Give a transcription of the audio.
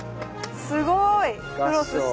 すごいクロスして。